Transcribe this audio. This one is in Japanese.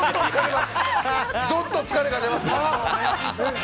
どっと疲れが出ますから。